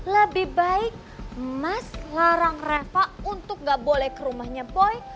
lebih baik mas larang reva untuk gak boleh ke rumahnya boy